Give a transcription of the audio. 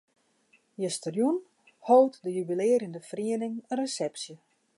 Justerjûn hold de jubilearjende feriening in resepsje.